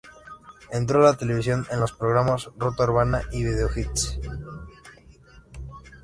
Entró a la televisión en los programas "Ruta Urbana" y "Video Hits".